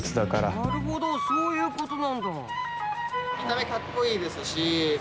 なるほどそういうことなんだ。